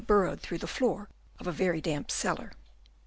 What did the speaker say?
burrowed through the floor of a very damp cellar.